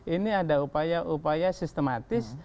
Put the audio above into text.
ini ada upaya upaya sistematis